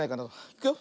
いくよ。